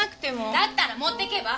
だったら持ってけば？